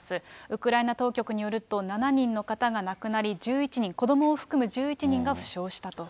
ウクライナ当局によると、７人の方が亡くなり、１１人、子どもを含む１１人が負傷したと。